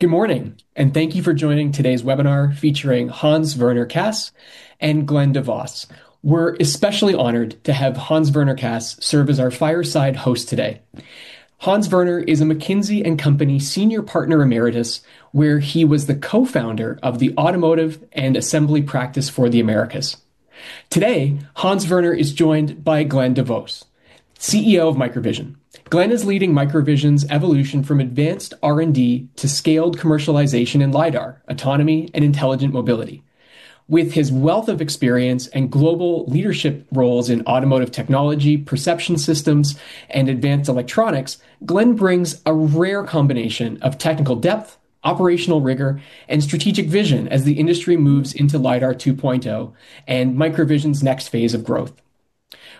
Good morning, and thank you for joining today's webinar featuring Hans-Werner Kaas and Glen De Vos. We're especially honored to have Hans-Werner Kaas serve as our fireside host today. Hans-Werner is a McKinsey & Company Senior Partner Emeritus, where he was the co-founder of the Automotive and Assembly Practice for the Americas. Today, Hans-Werner is joined by Glen De Vos, CEO of MicroVision. Glen is leading MicroVision's evolution from advanced R&D to scaled commercialization in lidar, autonomy, and intelligent mobility. With his wealth of experience and global leadership roles in automotive technology, perception systems, and advanced electronics, Glen brings a rare combination of technical depth, operational rigor, and strategic vision as the industry moves into Lidar 2.0 and MicroVision's next phase of growth.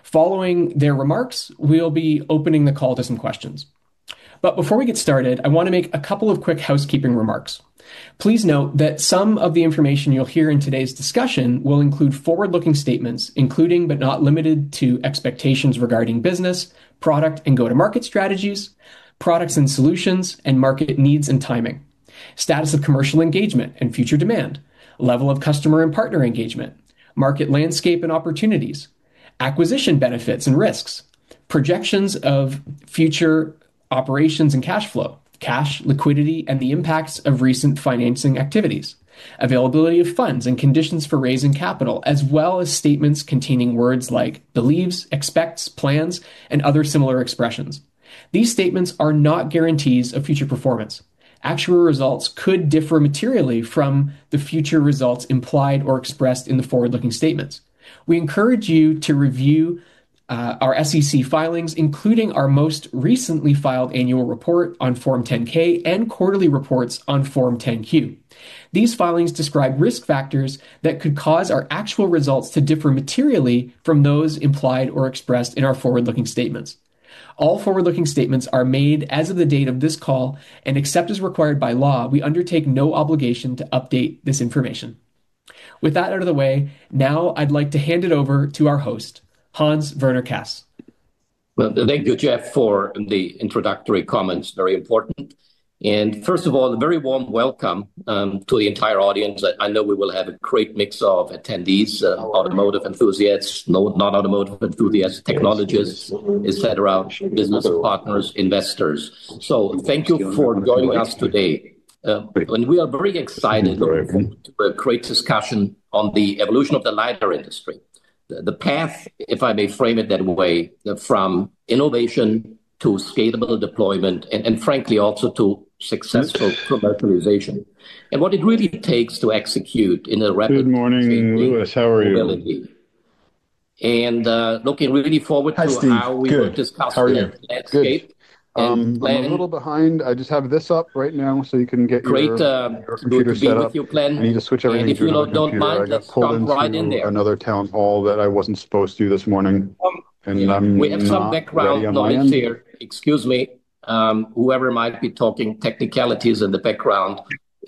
Following their remarks, we'll be opening the call to some questions. Before we get started, I wanna make a couple of quick housekeeping remarks. Please note that some of the information you'll hear in today's discussion will include forward-looking statements, including but not limited to expectations regarding business, product, and go-to-market strategies, products and solutions, and market needs and timing, status of commercial engagement and future demand, level of customer and partner engagement, market landscape and opportunities, acquisition benefits and risks, projections of future operations and cash flow, cash liquidity, and the impacts of recent financing activities, availability of funds and conditions for raising capital, as well as statements containing words like believes, expects, plans, and other similar expressions. These statements are not guarantees of future performance. Actual results could differ materially from the future results implied or expressed in the forward-looking statements. We encourage you to review our SEC filings, including our most recently filed annual report on Form 10-K and quarterly reports on Form 10-Q. These filings describe risk factors that could cause our actual results to differ materially from those implied or expressed in our forward-looking statements. All forward-looking statements are made as of the date of this call, and except as required by law, we undertake no obligation to update this information. With that out of the way, now I'd like to hand it over to our host, Hans-Werner Kaas. Well, thank you, Jeff, for the introductory comments. Very important. First of all, a very warm welcome to the entire audience. I know we will have a great mix of attendees, automotive enthusiasts, not automotive enthusiasts, technologists, et cetera, business partners, investors. Thank you for joining us today. We are very excited to create discussion on the evolution of the Lidar industry. The path, if I may frame it that way, from innovation to scalable deployment and frankly, also to successful commercialization, and what it really takes to execute in a rapid- Good morning, Lewis. How are you? Looking really forward to. Hi, Steve. Good. How we will discuss the landscape. How are you? Good. I'm a little behind. I just have this up right now, so you can get your computer set up. Great, to be with you, Glen. I need to switch everything to the other computer. If you don't mind, let's jump right in there. I got pulled into another town hall that I wasn't supposed to this morning, and I'm not ready. We have some background noise here. Excuse me. Whoever might be talking technicalities in the background,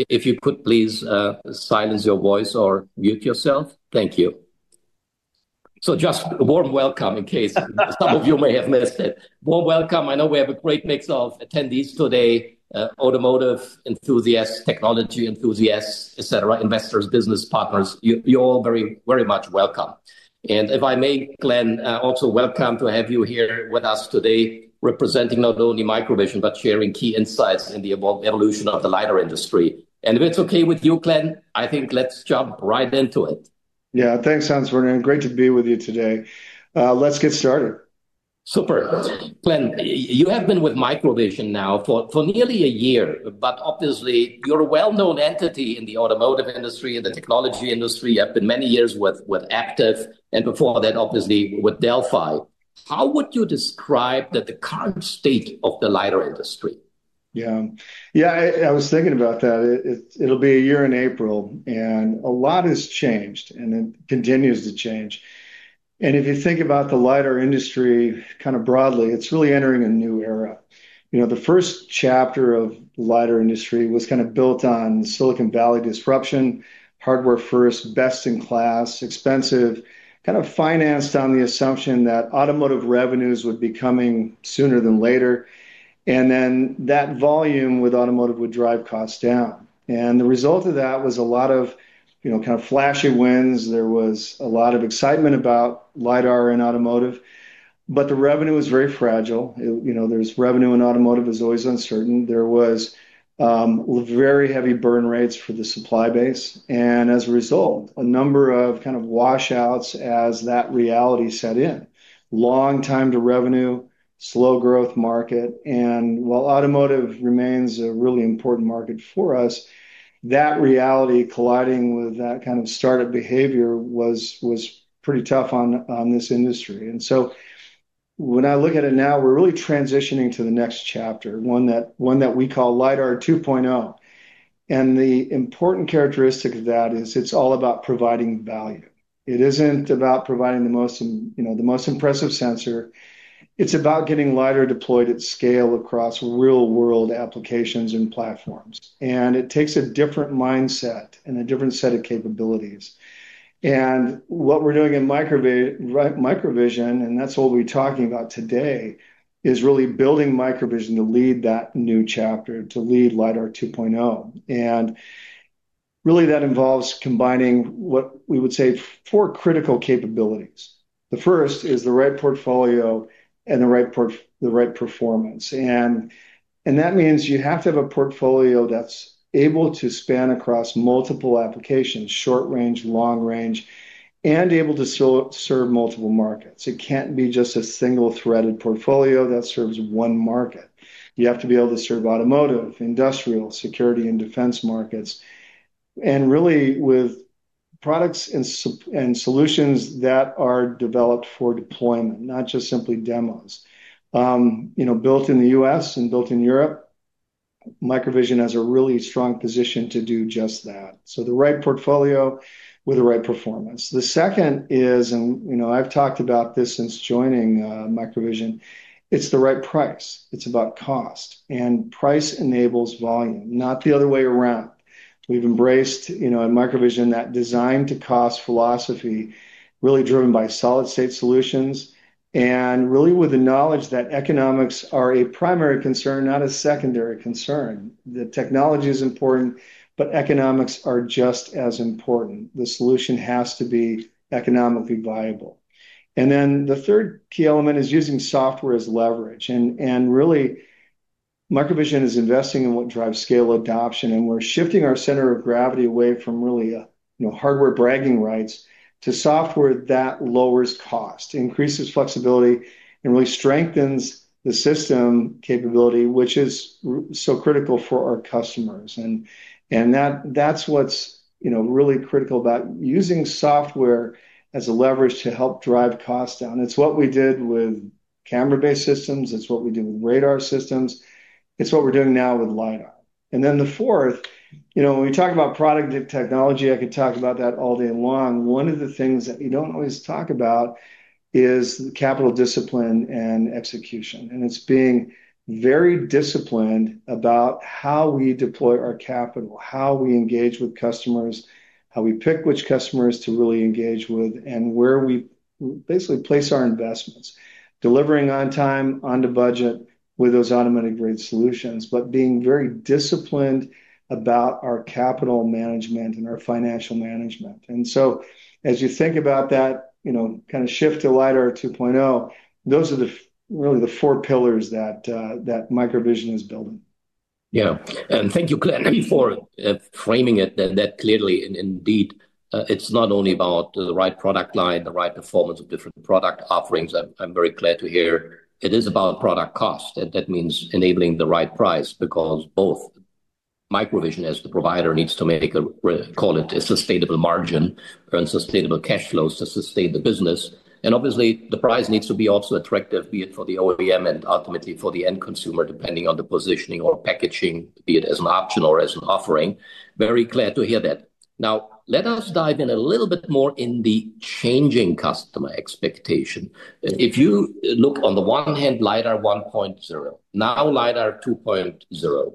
if you could please silence your voice or mute yourself. Thank you. Just a warm welcome, in case some of you may have missed it. Warm welcome. I know we have a great mix of attendees today, automotive enthusiasts, technology enthusiasts, et cetera, investors, business partners. You're all very, very much welcome. If I may, Glen, also welcome to have you here with us today, representing not only MicroVision, but sharing key insights in the evolution of the lidar industry. If it's okay with you, Glen, I think let's jump right into it. Yeah. Thanks, Hans-Werner. Great to be with you today. Let's get started. Super. Glen, you have been with MicroVision now for nearly a year, but obviously, you're a well-known entity in the automotive industry and the technology industry. You have been many years with Aptiv. Before that, obviously, with Delphi. How would you describe the current state of the lidar industry? Yeah. Yeah, I was thinking about that. It, it'll be a year in April. A lot has changed, and it continues to change. If you think about the Lidar industry kind of broadly, it's really entering a new era. You know, the first chapter of Lidar industry was kind of built on Silicon Valley disruption, hardware first, best-in-class, expensive, kind of financed on the assumption that automotive revenues would be coming sooner than later, that volume with automotive would drive costs down. The result of that was a lot of, you know, kind of flashy wins. There was a lot of excitement about Lidar and automotive, the revenue was very fragile. It, you know, Revenue in automotive is always uncertain. There was very heavy burn rates for the supply base. As a result, a number of kind of washouts as that reality set in. Long time to revenue, slow growth market. While automotive remains a really important market for us, that reality colliding with that kind of startup behavior was pretty tough on this industry. When I look at it now, we're really transitioning to the next chapter, one that we call Lidar 2.0. The important characteristic of that is it's all about providing value. It isn't about providing the most, you know, the most impressive sensor. It's about getting lidar deployed at scale across real-world applications and platforms, and it takes a different mindset and a different set of capabilities. What we're doing in MicroVision, and that's what we're talking about today, is really building MicroVision to lead that new chapter, to lead Lidar 2.0. Really, that involves combining what we would say, four critical capabilities. The first is the right portfolio and the right performance. That means you have to have a portfolio that's able to span across multiple applications, short range, long range, and able to serve multiple markets. It can't be just a single-threaded portfolio that serves one market. You have to be able to serve automotive, industrial, security, and defense markets, and really with products and solutions that are developed for deployment, not just simply demos. You know, built in the US and built in Europe, MicroVision has a really strong position to do just that. The right portfolio with the right performance. The second is, and, you know, I've talked about this since joining MicroVision, it's the right price. It's about cost, and price enables volume, not the other way around. We've embraced, you know, at MicroVision, that design to cost philosophy, really driven by solid-state solutions, and really with the knowledge that economics are a primary concern, not a secondary concern. The technology is important, but economics are just as important. The solution has to be economically viable. The third key element is using software as leverage. Really, MicroVision is investing in what drives scale adoption, and we're shifting our center of gravity away from really, you know, hardware bragging rights to software that lowers cost, increases flexibility, and really strengthens the system capability, which is so critical for our customers. That's what's, you know, really critical about using software as a leverage to help drive costs down. It's what we did with camera-based systems. It's what we did with radar systems. It's what we're doing now with Lidar. Then the fourth, you know, when we talk about product technology, I could talk about that all day long. One of the things that you don't always talk about is capital discipline and execution, and it's being very disciplined about how we deploy our capital, how we engage with customers, how we pick which customers to really engage with, and where we basically place our investments. Delivering on time, on the budget with those automotive grade solutions, being very disciplined about our capital management and our financial management. As you think about that, you know, kind of shift to Lidar 2.0, those are really the four pillars that MicroVision is building. Yeah. Thank you, Glen, for framing it that clearly, and indeed, it's not only about the right product line, the right performance of different product offerings. I'm very clear to hear it is about product cost, and that means enabling the right price, because both MicroVision as the provider needs to make a call it a sustainable margin and sustainable cash flows to sustain the business. Obviously, the price needs to be also attractive, be it for the OEM and ultimately for the end consumer, depending on the positioning or packaging, be it as an option or as an offering. Very clear to hear that. Let us dive in a little bit more in the changing customer expectation. If you look on the one hand, Lidar 1.0, now Lidar 2.0,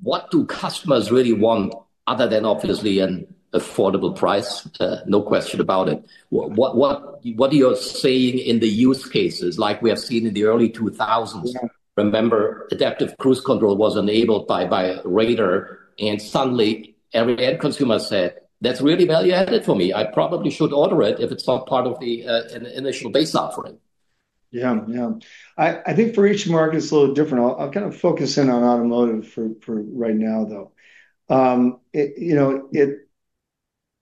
what do customers really want other than obviously an affordable price? No question about it. What are you seeing in the use cases like we have seen in the early 2000s? Remember, adaptive cruise control was enabled by radar, and suddenly, every end consumer said, "That's really value added for me. I probably should order it if it's not part of the an initial base offering. Yeah. Yeah. I think for each market, it's a little different. I'll kind of focus in on automotive for right now, though. You know,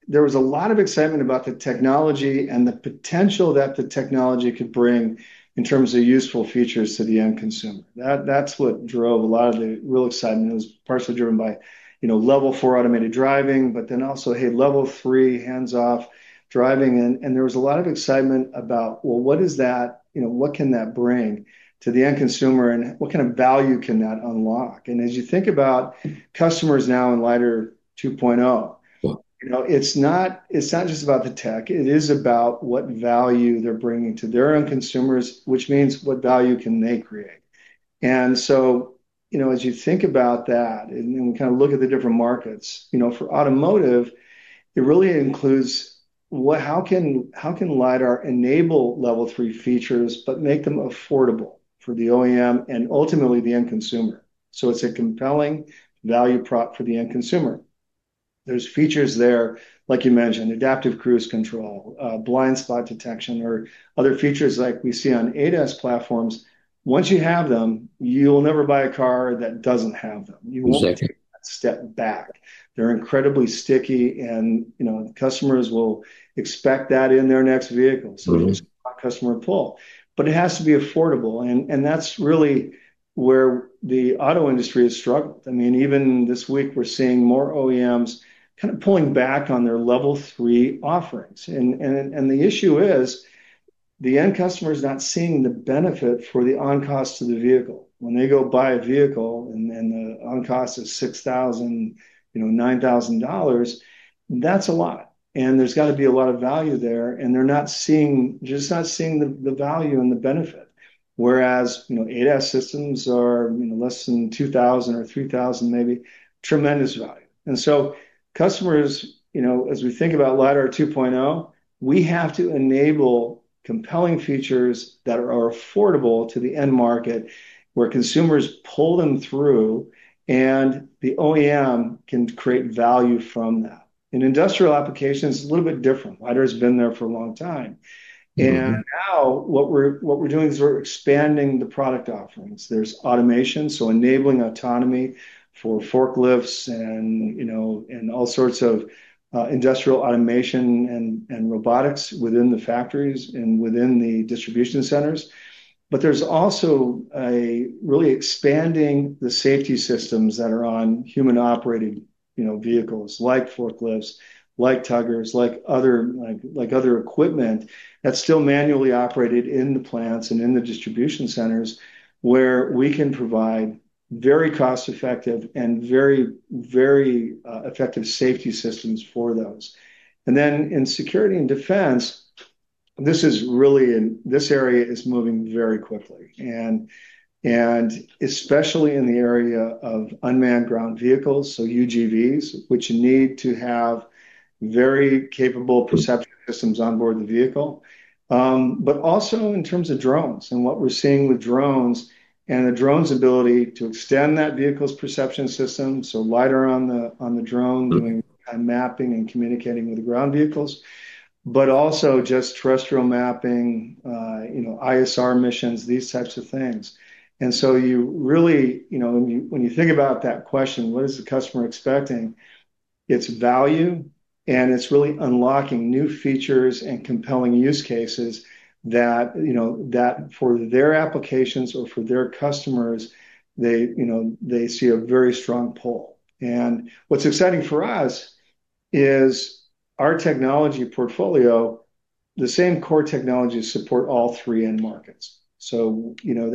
there was a lot of excitement about the technology and the potential that the technology could bring in terms of useful features to the end consumer. That's what drove a lot of the real excitement. It was partially driven by, you know, Level 4 automated driving, but then also, hey, Level 3, hands-off driving. There was a lot of excitement about, well, what is that? You know, what can that bring to the end consumer, and what kind of value can that unlock? As you think about customers now in LiDAR 2.0. Yeah... you know, it's not, it's not just about the tech. It is about what value they're bringing to their own consumers, which means what value can they create? You know, as you think about that and kind of look at the different markets, you know, for automotive, it really includes how can Lidar enable Level 3 features but make them affordable for the OEM and ultimately the end consumer? It's a compelling value prop for the end consumer. There's features there, like you mentioned, adaptive cruise control, blind spot detection, or other features like we see on ADAS platforms. Once you have them, you'll never buy a car that doesn't have them. Exactly. You won't take a step back. They're incredibly sticky, and, you know, customers will expect that in their next vehicle... Mm-hmm... so it's customer pull. It has to be affordable, and that's really where the auto industry has struggled. I mean, even this week, we're seeing more OEMs kind of pulling back on their Level 3 offerings. The issue is, the end customer is not seeing the benefit for the on-cost to the vehicle. When they go buy a vehicle, and then the on-cost is $6,000, you know, $9,000, that's a lot, and there's got to be a lot of value there, and they're just not seeing the value and the benefit. Whereas, you know, ADAS systems are, you know, less than $2,000 or $3,000, maybe. Tremendous value. Customers, you know, as we think about Lidar 2.0, we have to enable compelling features that are affordable to the end market, where consumers pull them through, and the OEM can create value from that. In industrial applications, it's a little bit different. Lidar has been there for a long time. Mm-hmm. Now, what we're doing is we're expanding the product offerings. There's automation, so enabling autonomy for forklifts and, you know, all sorts of industrial automation and robotics within the factories and within the distribution centers. There's also a really expanding the safety systems that are on human-operated, you know, vehicles like forklifts, like tuggers, like other equipment that's still manually operated in the plants and in the distribution centers, where we can provide very cost-effective and very effective safety systems for those. In security and defense, this is really this area is moving very quickly, and especially in the area of unmanned ground vehicles, so UGVs, which need to have very capable perception systems onboard the vehicle. Also in terms of drones and what we're seeing with drones, and the drones ability to extend that vehicle's perception system, so Lidar on the, on the drone doing kind of mapping and communicating with the ground vehicles, but also just terrestrial mapping, you know, ISR missions, these types of things. You really, you know, when you think about that question, what is the customer expecting? It's value, and it's really unlocking new features and compelling use cases that, you know, that for their applications or for their customers, they, you know, see a very strong pull. What's exciting for us is our technology portfolio, the same core technologies support all three end markets. you know,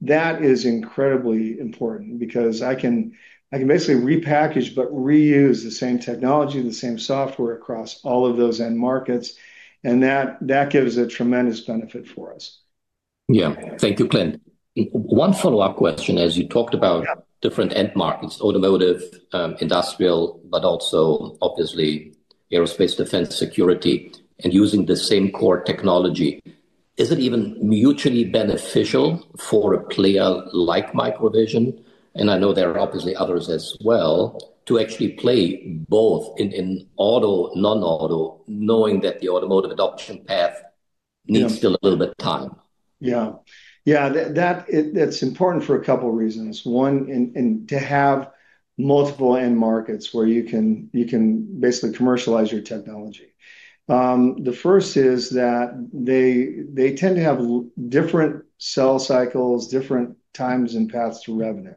that is incredibly important because I can basically repackage but reuse the same technology, the same software across all of those end markets, and that gives a tremendous benefit for us. Yeah. Thank you, Glen. One follow-up question, as you talked about- different end markets, automotive, industrial, but also obviously aerospace, defense, security, and using the same core technology. Is it even mutually beneficial for a player like MicroVision, and I know there are obviously others as well, to actually play both in auto, non-auto, knowing that the automotive adoption path- Yeah... needs still a little bit time? Yeah. Yeah, that, it's important for a couple of reasons. One, and to have multiple end markets where you can basically commercialize your technology. The first is that they tend to have different sell cycles, different times and paths to revenue.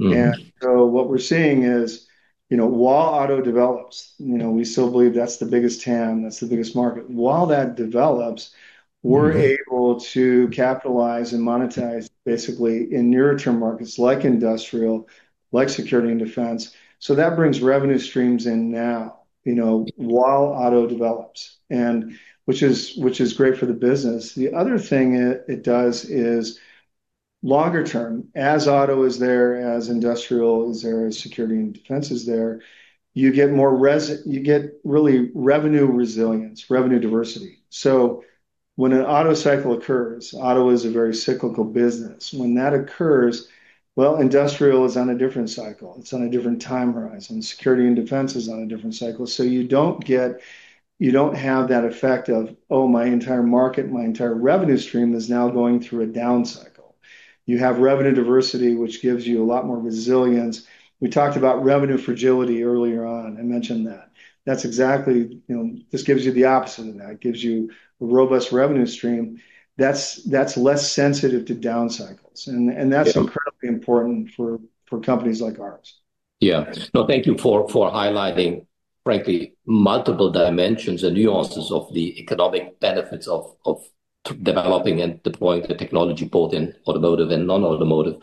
Mm-hmm. What we're seeing is, you know, while auto develops, you know, we still believe that's the biggest TAM, that's the biggest market. While that develops... Mm-hmm... we're able to capitalize and monetize basically in nearer term markets like industrial, like security and defense. That brings revenue streams in now, you know, while auto develops, which is great for the business. The other thing it does is, longer term, as auto is there, as industrial is there, as security and defense is there, you get really revenue resilience, revenue diversity. When an auto cycle occurs, auto is a very cyclical business. When that occurs, well, industrial is on a different cycle. It's on a different time horizon. Security and defense is on a different cycle. You don't have that effect of, Oh, my entire market, my entire revenue stream is now going through a down cycle. You have revenue diversity, which gives you a lot more resilience. We talked about revenue fragility earlier on. I mentioned that. That's exactly, you know, this gives you the opposite of that. It gives you a robust revenue stream that's less sensitive to down cycles. Yeah... that's incredibly important for companies like ours. No, thank you for highlighting, frankly, multiple dimensions and nuances of the economic benefits of developing and deploying the technology, both in automotive and non-automotive.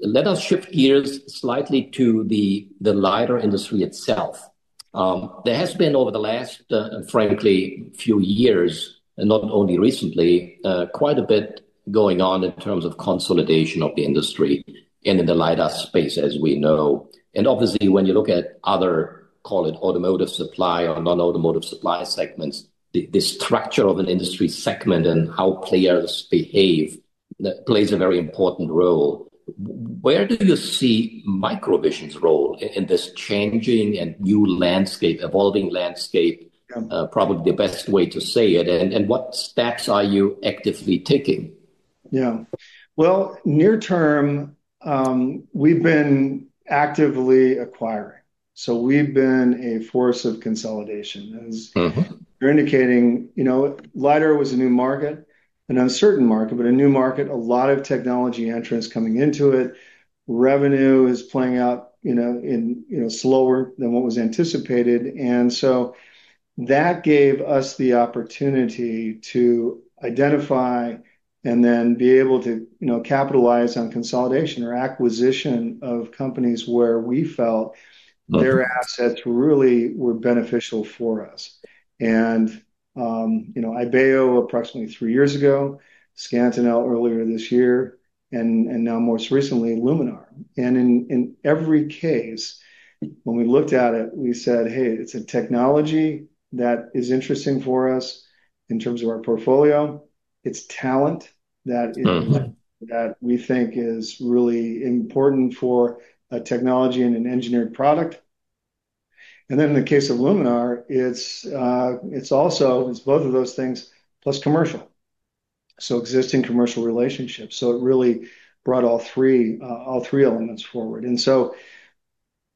Let us shift gears slightly to the lidar industry itself. There has been over the last, frankly, few years, and not only recently, quite a bit going on in terms of consolidation of the industry and in the lidar space, as we know. Obviously, when you look at other, call it automotive supply or non-automotive supply segments, the structure of an industry segment and how players behave, that plays a very important role. Where do you see MicroVision's role in this changing and new landscape, evolving landscape? Yeah. Probably the best way to say it, and what steps are you actively taking? Yeah. Well, near term, we've been actively acquiring, so we've been a force of consolidation. Mm-hmm... you're indicating, you know, Lidar was a new market, an uncertain market, but a new market, a lot of technology entrants coming into it. Revenue is playing out, you know, in, you know, slower than what was anticipated. That gave us the opportunity to identify and then be able to, you know, capitalize on consolidation or acquisition of companies where we felt. Mm their assets really were beneficial for us. You know, Ibeo, approximately three years ago, Scantenna earlier this year, now more recently, Luminar. In every case, when we looked at it, we said, "Hey, it's a technology that is interesting for us in terms of our portfolio. It's talent that Mm-hmm... that we think is really important for a technology and an engineered product. In the case of Luminar, it's also, it's both of those things, plus commercial, so existing commercial relationships. It really brought all three, all three elements forward.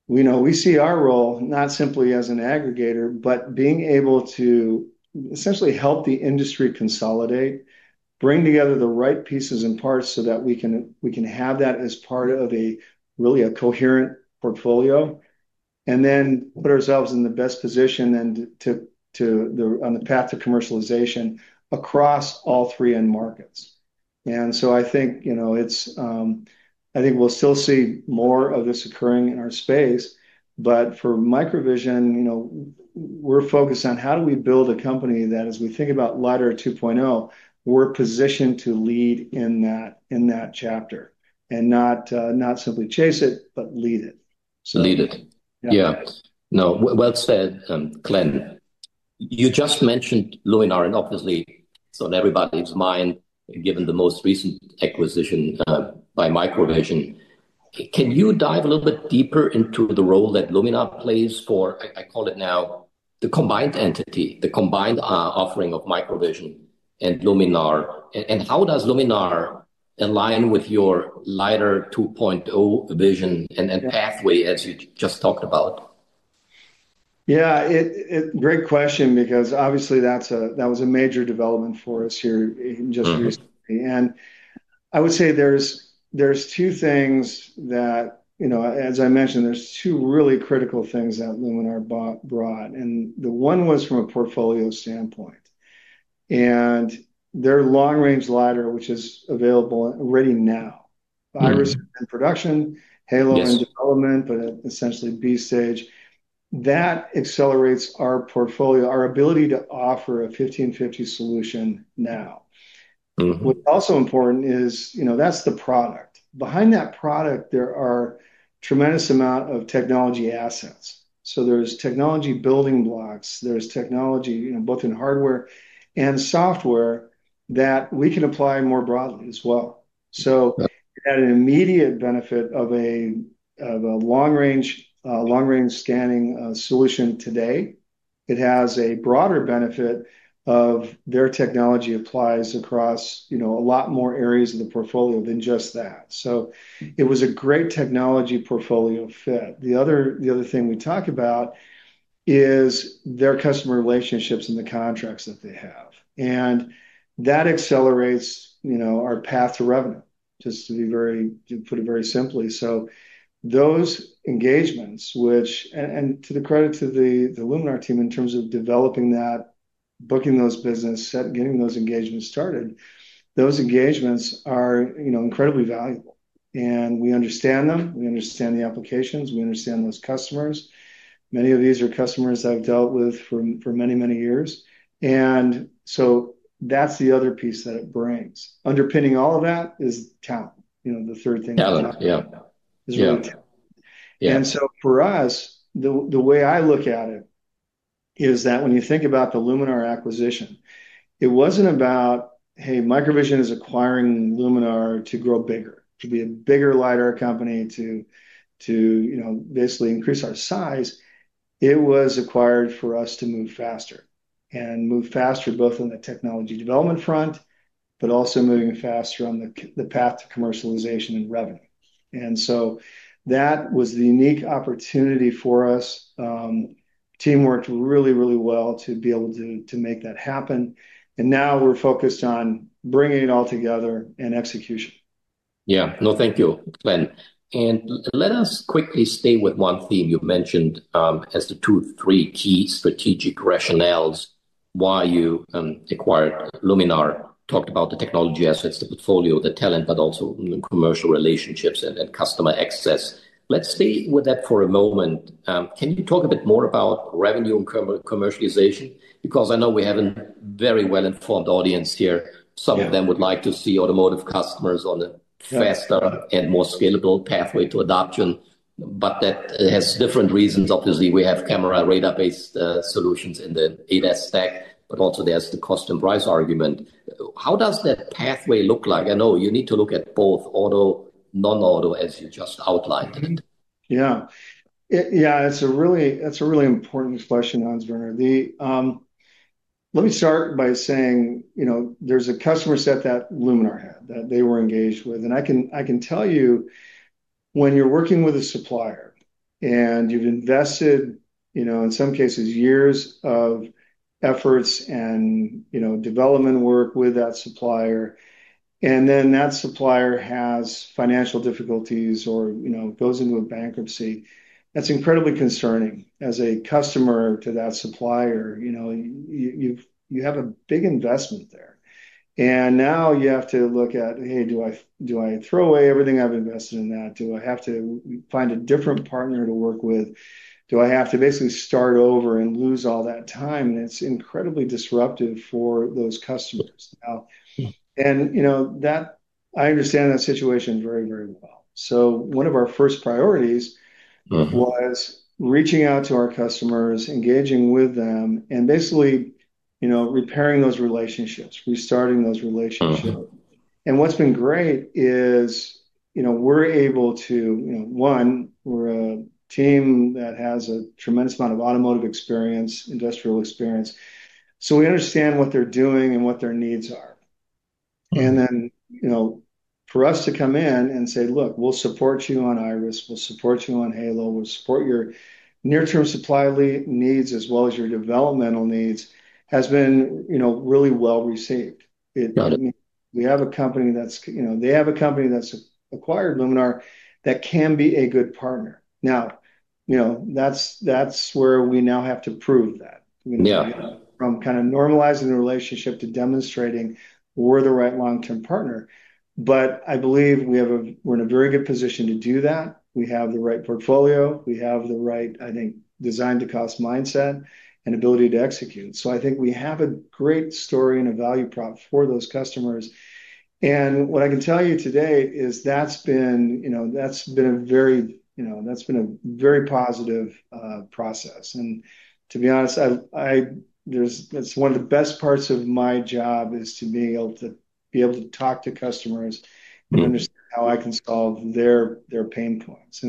We know we see our role not simply as an aggregator, but being able to essentially help the industry consolidate, bring together the right pieces and parts so that we can, we can have that as part of a really a coherent portfolio, and then put ourselves in the best position and to the, on the path to commercialization across all three end markets. I think, you know, it's, I think we'll still see more of this occurring in our space, but for MicroVision, you know, we're focused on how do we build a company that, as we think about Lidar 2.0, we're positioned to lead in that, in that chapter, and not not simply chase it, but lead it. Lead it. Yeah. Yeah. No, well said, Glen. You just mentioned Luminar, obviously it's on everybody's mind, given the most recent acquisition by MicroVision. Can you dive a little bit deeper into the role that Luminar plays for, I call it now, the combined entity, the combined offering of MicroVision and Luminar? How does Luminar align with your Lidar 2.0 vision and pathway, as you just talked about? Yeah, Great question, because obviously that was a major development for us here. Mm-hmm... just recently. I would say there's two things that, you know, as I mentioned, there's two really critical things that Luminar brought, and the one was from a portfolio standpoint. Their long-range Lidar, which is available already now. Mm-hmm Iris in production, Halo- Yes... in development, but essentially B-stage. That accelerates our portfolio, our ability to offer a 1550 nm solution now. Mm-hmm. What's also important is, you know, that's the product. Behind that product, there are tremendous amount of technology assets. There's technology building blocks, there's technology, you know, both in hardware and software, that we can apply more broadly as well. Yeah. At an immediate benefit of a long range scanning solution today, it has a broader benefit of their technology applies across, you know, a lot more areas of the portfolio than just that. The other thing we talk about is their customer relationships and the contracts that they have. That accelerates, you know, our path to revenue, to put it very simply. Those engagements, and to the credit to the Luminar team in terms of developing that, booking those business, set, getting those engagements started, those engagements are, you know, incredibly valuable. We understand them, we understand the applications, we understand those customers. Many of these are customers I've dealt with for many years. That's the other piece that it brings. Underpinning all of that is talent. You know. Talent, yeah. Yeah. Yeah. For us, the way I look at it is that when you think about the Luminar acquisition, it wasn't about, hey, MicroVision is acquiring Luminar to grow bigger, to be a bigger Lidar company, to, you know, basically increase our size. It was acquired for us to move faster, and move faster both on the technology development front, but also moving faster on the path to commercialization and revenue. That was the unique opportunity for us. Team worked really, really well to be able to make that happen, and now we're focused on bringing it all together and execution. Yeah. No, thank you, Glen. Let us quickly stay with one theme you've mentioned, as the two, three key strategic rationales why you acquired Luminar. Talked about the technology assets, the portfolio, the talent, but also the commercial relationships and customer access. Let's stay with that for a moment. Can you talk a bit more about revenue and commercialization? Because I know we have a very well-informed audience here. Yeah. Some of them would like to see automotive customers. Yeah... faster and more scalable pathway to adoption, but that has different reasons. Obviously, we have camera, radar-based solutions in the ADAS stack, but also there's the cost and price argument. How does that pathway look like? I know you need to look at both auto, non-auto, as you just outlined. Yeah. It's a really, that's a really important question, Hans-Werner. Let me start by saying, you know, there's a customer set that Luminar had, that they were engaged with, and I can tell you, when you're working with a supplier and you've invested, you know, in some cases, years of efforts and, you know, development work with that supplier, and then that supplier has financial difficulties or, you know, goes into a bankruptcy, that's incredibly concerning. As a customer to that supplier, you know, you have a big investment there, and now you have to look at, Hey, do I throw away everything I've invested in that? Do I have to find a different partner to work with? Do I have to basically start over and lose all that time? It's incredibly disruptive for those customers now. Mm. you know, that, I understand that situation very, very well. one of our first priorities-. Mm-hmm was reaching out to our customers, engaging with them, and basically, you know, repairing those relationships, restarting those relationships. Mm-hmm. What's been great is, you know, we're able to, you know, one, we're a team that has a tremendous amount of automotive experience, industrial experience, so we understand what they're doing and what their needs are. You know, for us to come in and say: "Look, we'll support you on Iris, we'll support you on Halo, we'll support your near-term supply needs as well as your developmental needs," has been, you know, really well received. Got it. We have a company that's, you know, they have a company that's acquired Luminar that can be a good partner. You know, that's where we now have to prove that. Yeah. From kind of normalizing the relationship to demonstrating we're the right long-term partner. I believe we're in a very good position to do that. We have the right portfolio, we have the right, I think, design to cost mindset and ability to execute. I think we have a great story and a value prop for those customers. What I can tell you today is that's been, you know, that's been a very, you know, that's been a very positive process. To be honest, it's one of the best parts of my job, is to be able to talk to customers. Mm-hmm... and understand how I can solve their pain points.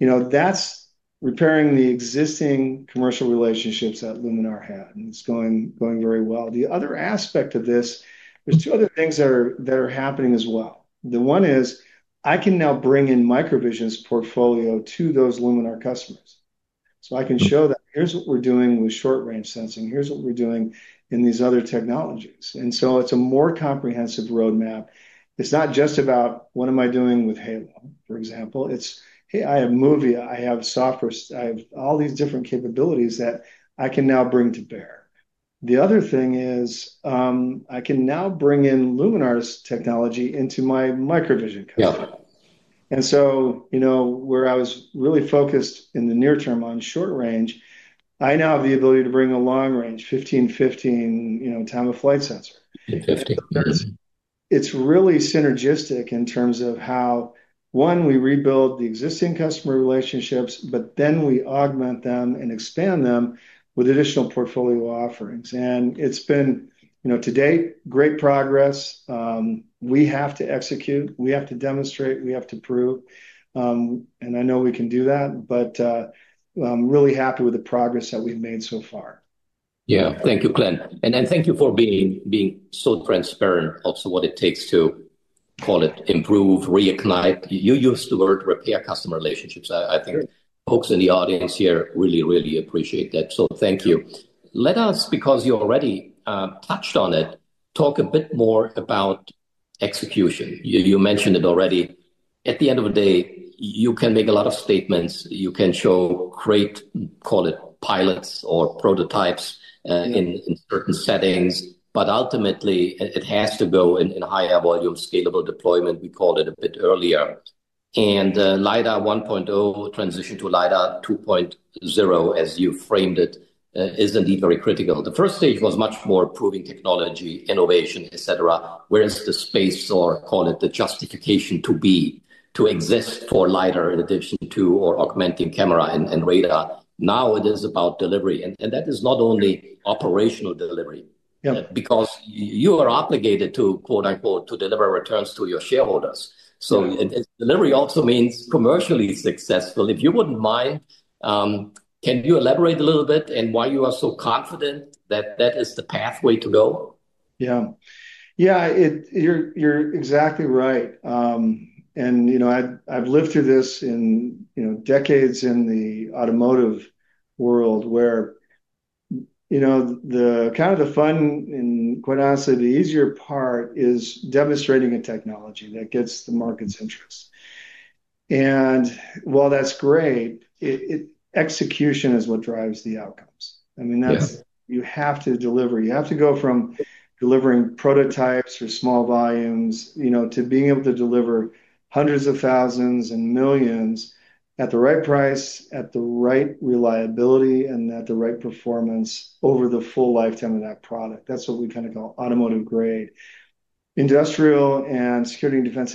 You know, that's repairing the existing commercial relationships that Luminar had, and it's going very well. The other aspect of this, there's two other things that are happening as well. The one is, I can now bring in MicroVision's portfolio to those Luminar customers. I can show that here's what we're doing with short-range sensing, here's what we're doing in these other technologies. It's a more comprehensive roadmap. It's not just about, what am I doing with Halo, for example, it's, "Hey, I have MOVIA, I have software, I have all these different capabilities that I can now bring to bear." The other thing is, I can now bring in Luminar's technology into my MicroVision customer. Yeah. You know, where I was really focused in the near term on short range, I now have the ability to bring a long range 15, you know, time-of-flight sensor. Fifteen. It's really synergistic in terms of how, one, we rebuild the existing customer relationships, but then we augment them and expand them with additional portfolio offerings. It's been, you know, to date, great progress. We have to execute, we have to demonstrate, we have to prove, and I know we can do that, but I'm really happy with the progress that we've made so far. Yeah. Thank you, Glen. Then thank you for being so transparent also what it takes to call it improve, reignite. You, you used the word repair customer relationships. I think folks in the audience here really, really appreciate that. Thank you. Let us, because you already touched on it, talk a bit more about execution. You, you mentioned it already. At the end of the day, you can make a lot of statements, you can show great, call it pilots or prototypes, in certain settings, but ultimately it has to go in a higher volume, scalable deployment, we called it a bit earlier. Lidar 1.0 transition to Lidar 2.0, as you framed it, is indeed very critical. The first stage was much more proving technology, innovation, et cetera. The space or call it the justification to be, to exist for Lidar in addition to or augmenting camera and radar, now it is about delivery, and that is not only operational delivery- Yeah... because you are obligated to, quote, unquote, "To deliver returns to your shareholders. Yeah. Delivery also means commercially successful. If you wouldn't mind, can you elaborate a little bit on why you are so confident that that is the pathway to go? Yeah. Yeah, you're exactly right. You know, I've lived through this in, you know, decades in the automotive world, where, you know, the kind of the fun, in quite honestly, the easier part is demonstrating a technology that gets the market's interest. While that's great, it, execution is what drives the outcomes. Yes. I mean, that's. You have to deliver. You have to go from delivering prototypes or small volumes, you know, to being able to deliver hundreds of thousands and millions at the right price, at the right reliability, and at the right performance over the full lifetime of that product. That's what we kind of call automotive grade. Industrial and security and defense,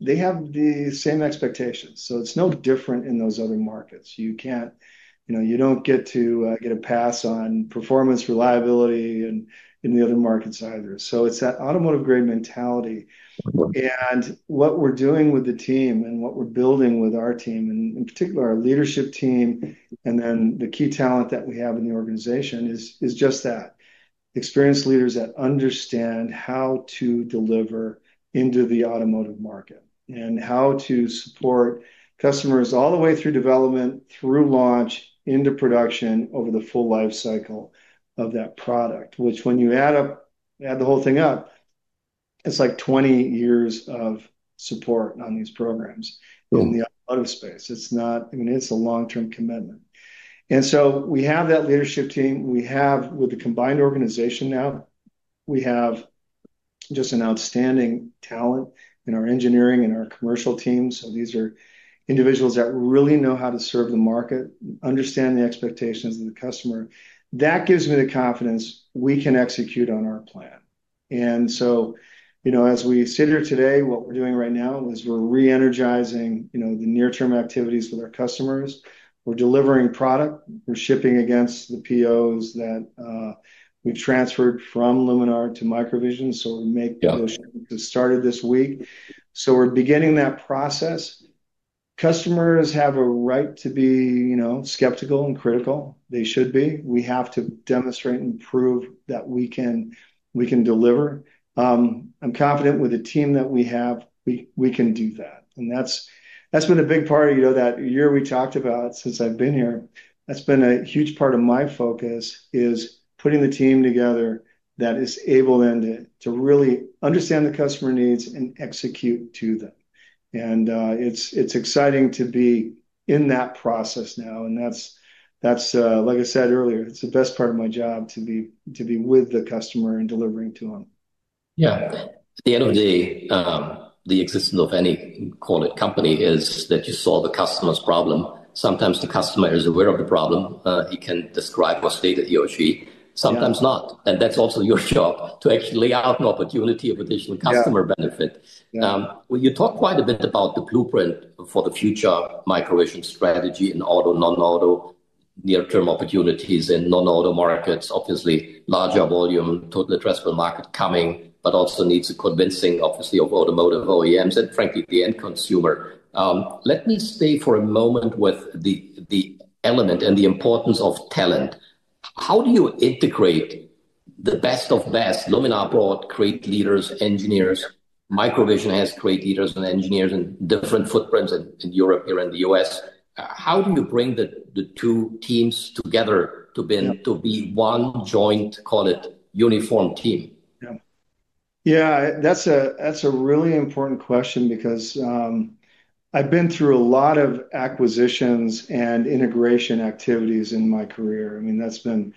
they have the same expectations, so it's no different in those other markets. You can't, you know, you don't get to get a pass on performance, reliability in the other markets either. It's that automotive grade mentality. What we're doing with the team and what we're building with our team, and in particular, our leadership team, and then the key talent that we have in the organization is just that. Experienced leaders that understand how to deliver into the automotive market and how to support customers all the way through development, through launch, into production, over the full life cycle of that product, which when you add up, add the whole thing up, it's like 20 years of support on these programs. Mm... in the automotive space. It's not, I mean, it's a long-term commitment. We have that leadership team. We have, with the combined organization now, we have just an outstanding talent in our engineering and our commercial team. These are individuals that really know how to serve the market, understand the expectations of the customer. That gives me the confidence we can execute on our plan. You know, as we sit here today, what we're doing right now is we're re-energizing, you know, the near-term activities with our customers. We're delivering product. We're shipping against the POs that we transferred from Luminar to MicroVision. Yeah ...those, it started this week. We're beginning that process. Customers have a right to be, you know, skeptical and critical. They should be. We have to demonstrate and prove that we can deliver. I'm confident with the team that we have, we can do that, and that's been a big part of, you know, that year we talked about since I've been here. That's been a huge part of my focus, is putting the team together that is able then to really understand the customer needs and execute to them. It's exciting to be in that process now, and that's, like I said earlier, it's the best part of my job, to be with the customer and delivering to them. Yeah. At the end of the day, the existence of any, call it, company, is that you solve the customer's problem. Sometimes the customer is aware of the problem, he can describe or state it to you. Yeah sometimes not, and that's also your job, to actually lay out an opportunity of additional customer benefit. Yeah. Yeah. Well, you talked quite a bit about the blueprint for the future MicroVision strategy in auto, non-auto, near-term opportunities in non-auto markets. Obviously, larger volume, total addressable market coming, also needs a convincing, obviously, of automotive OEMs and frankly, the end consumer. Let me stay for a moment with the element and the importance of talent. How do you integrate the best of best? Luminar brought great leaders, engineers. MicroVision has great leaders and engineers and different footprints in Europe and around the US. How do you bring the two teams together? Yeah... to be one joint, call it, uniform team? Yeah. Yeah, that's a, that's a really important question because, I've been through a lot of acquisitions and integration activities in my career. I mean, that's been,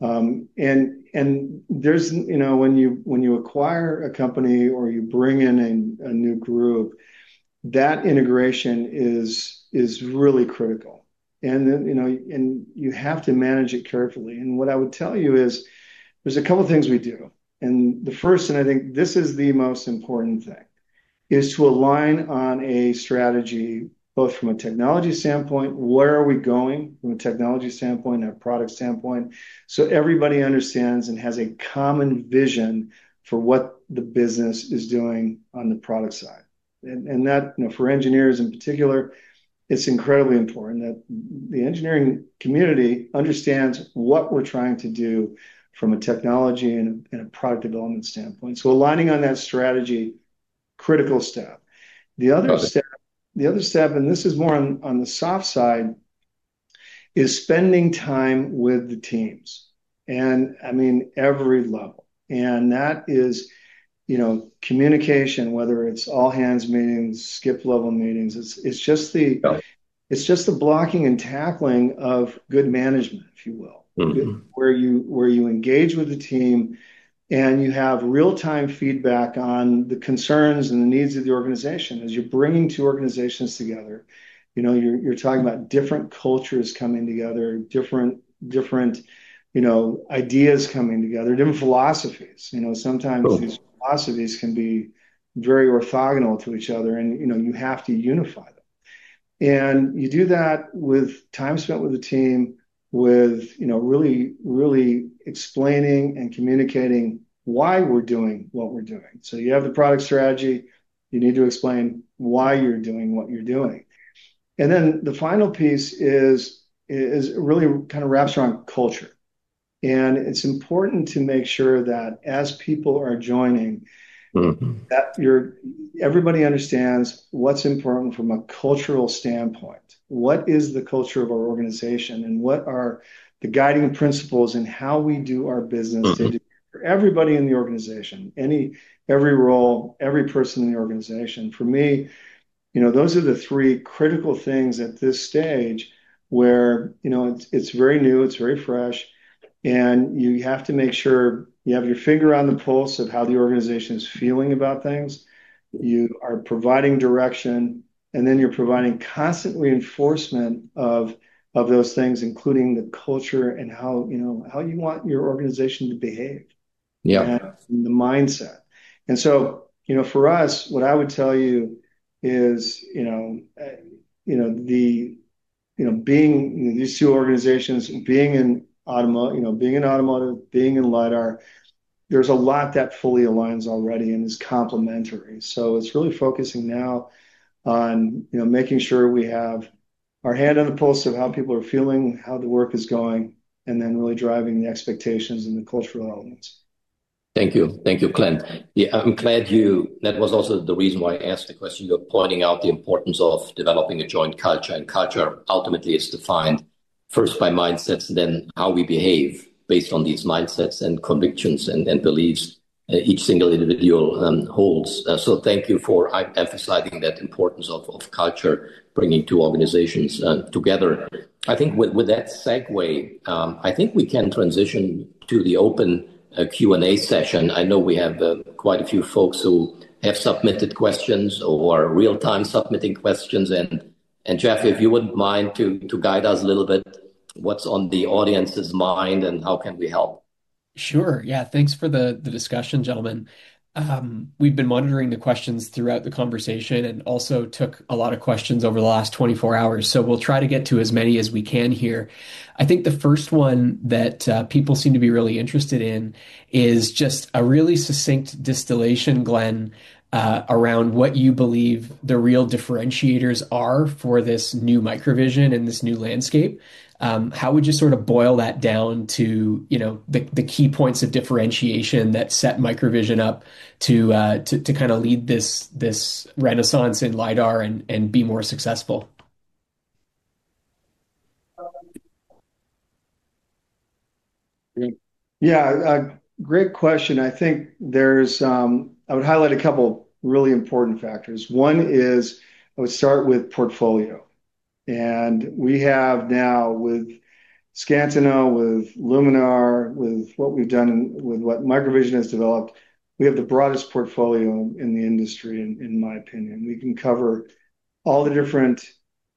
and there's, you know, when you acquire a company or you bring in a new group, that integration is really critical. Then, you know, and you have to manage it carefully. What I would tell you is, there's a couple things we do. The first, and I think this is the most important thing, is to align on a strategy, both from a technology standpoint, where are we going from a technology standpoint and a product standpoint, so everybody understands and has a common vision for what the business is doing on the product side. That, you know, for engineers in particular, it's incredibly important that the engineering community understands what we're trying to do from a technology and a product development standpoint. Aligning on that strategy, critical step. Got it. The other step, this is more on the soft side, is spending time with the teams, I mean, every level. That is, you know, communication, whether it's all-hands meetings, skip-level meetings, it's just the. Got it. It's just the blocking and tackling of good management, if you will. Mm-hmm. Where you engage with the team, and you have real-time feedback on the concerns and the needs of the organization. As you're bringing two organizations together, you know, you're talking about different cultures coming together, different, you know, ideas coming together, different philosophies. You know. Got it.... these philosophies can be very orthogonal to each other, and, you know, you have to unify them. You do that with time spent with the team, with, you know, really explaining and communicating why we're doing what we're doing. You have the product strategy. You need to explain why you're doing what you're doing. The final piece is, really kind of wraps around culture, and it's important to make sure that as people are joining- Mm-hmm Everybody understands what's important from a cultural standpoint. What is the culture of our organization, and what are the guiding principles in how we do our business. Mm-hmm... for everybody in the organization, every role, every person in the organization? For me, you know, those are the three critical things at this stage, where, you know, it's very new, it's very fresh. You have to make sure you have your finger on the pulse of how the organization is feeling about things. You are providing direction. Then you're providing constant reinforcement of those things, including the culture and how, you know, how you want your organization to behave. Yeah... and the mindset. You know, for us, what I would tell you is, you know, you know, the, you know, being these two organizations, being in automotive, being in lidar, there's a lot that fully aligns already and is complementary. It's really focusing now on, you know, making sure we have our hand on the pulse of how people are feeling, how the work is going, and then really driving the expectations and the cultural elements. Thank you. Thank you, Glenn. Yeah, I'm glad that was also the reason why I asked the question. You're pointing out the importance of developing a joint culture ultimately is defined first by mindsets, then how we behave based on these mindsets and convictions and beliefs each single individual holds. Thank you for emphasizing that importance of culture, bringing two organizations together. I think with that segue, I think we can transition to the open Q&A session. I know we have quite a few folks who have submitted questions or are real-time submitting questions. Jeff, if you wouldn't mind, to guide us a little bit, what's on the audience's mind, and how can we help? Sure, yeah. Thanks for the discussion, gentlemen. We've been monitoring the questions throughout the conversation and also took a lot of questions over the last 24 hours. We'll try to get to as many as we can here. I think the first one that people seem to be really interested in is just a really succinct distillation, Glenn, around what you believe the real differentiators are for this new MicroVision and this new landscape. How would you sort of boil that down to, you know, the key points of differentiation that set MicroVision up to kinda lead this renaissance in LiDAR and be more successful? Yeah, a great question. I think there's, I would highlight a couple really important factors. One is I would start with portfolio, and we have now, with Scantenna, with Luminar, with what we've done and with what MicroVision has developed, we have the broadest portfolio in the industry, in my opinion. We can cover all the different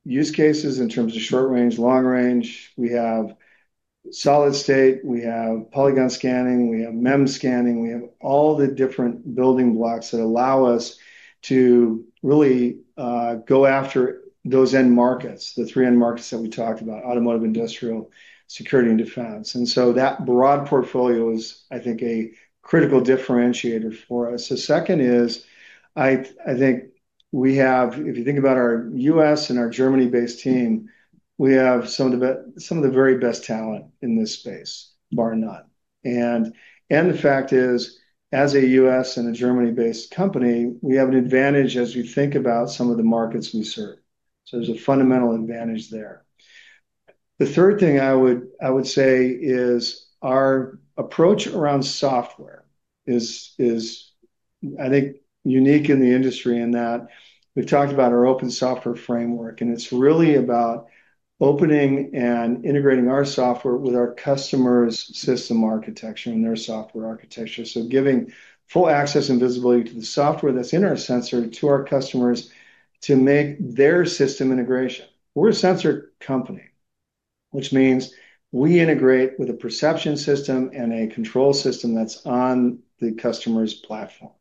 use cases in terms of short range, long range. We have solid-state, we have polygon scanning, we have MEMS scanning. We have all the different building blocks that allow us to really go after those end markets, the three end markets that we talked about: automotive, industrial, security, and defense. That broad portfolio is, I think, a critical differentiator for us. The second is, I think we have... If you think about our U.S. and our Germany-based team, we have some of the very best talent in this space, bar none. The fact is, as a U.S. and a Germany-based company, we have an advantage as we think about some of the markets we serve. There's a fundamental advantage there. The third thing I would say is our approach around software is, I think, unique in the industry in that we've talked about our open software framework, and it's really about opening and integrating our software with our customers' system architecture and their software architecture. Giving full access and visibility to the software that's in our sensor to our customers to make their system integration. We're a sensor company, which means we integrate with a perception system and a control system that's on the customer's platform.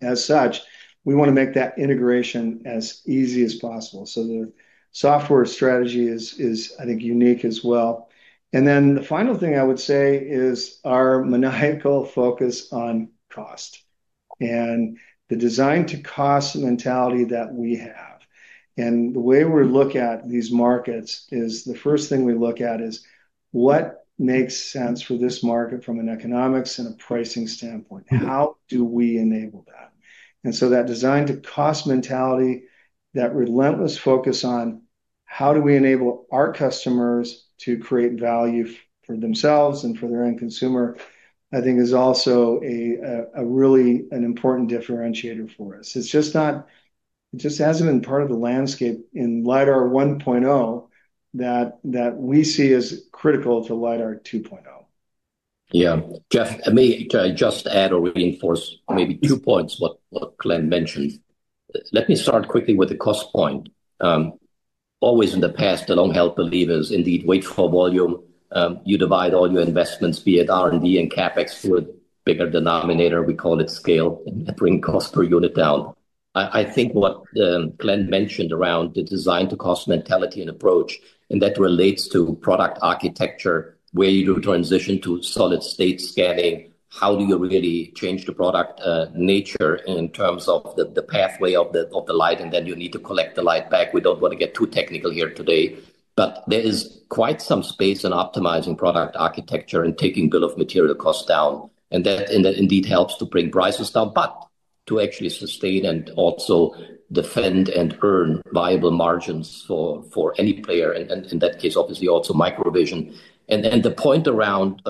As such, we wanna make that integration as easy as possible, so the software strategy is, I think, unique as well. The final thing I would say is our maniacal focus on cost and the design-to-cost mentality that we have. The way we look at these markets is: What makes sense for this market from an economics and a pricing standpoint? How do we enable that? That design-to-cost mentality, that relentless focus on how do we enable our customers to create value for themselves and for their end consumer, I think is also a really, an important differentiator for us. It just hasn't been part of the landscape in LiDAR 1.0, that we see as critical to LiDAR 2.0. Yeah. Jeff, let me, can I just add or reinforce maybe two points what Glen mentioned? Let me start quickly with the cost point. Always in the past, the long-held belief is indeed wait for volume. You divide all your investments, be it R&D and CapEx, to a bigger denominator. We call it scale, and bring cost per unit down. I think what Glen mentioned around the design-to-cost mentality and approach, and that relates to product architecture, where you transition to solid-state scanning. How do you really change the product nature in terms of the pathway of the light, and then you need to collect the light back? We don't wanna get too technical here today. There is quite some space in optimizing product architecture and taking bill of material costs down, and that indeed helps to bring prices down, but to actually sustain and also defend and earn viable margins for any player, and in that case, obviously also MicroVision. The point around